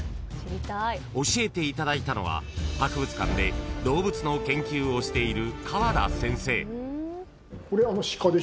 ［教えていただいたのは博物館で動物の研究をしている］